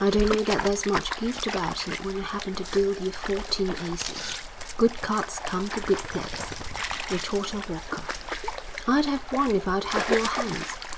"I don't know that there's much gift about it when I happen to deal you fourteen aces." "Good cards come to good players," retorted Walker. "I'd have won if I'd had your hands."